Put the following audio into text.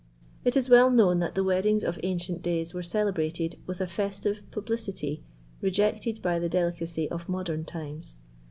It is well known that the weddings of ancient days were celebrated with a festive publicity rejected by the delicacy of modern times.